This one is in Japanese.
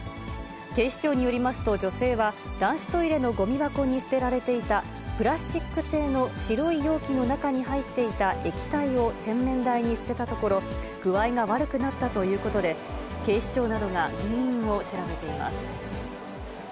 警視庁によりますと、女性は、男子トイレのごみ箱に捨てられていたプラスチック製の白い容器の中に入っていた液体を洗面台に捨てたところ、具合が悪くなったということで、警視庁などが原因を調べています。